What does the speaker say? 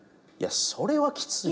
それはきついわ。